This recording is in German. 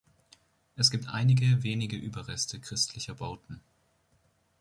Es gibt einige wenige Überreste christlicher Bauten.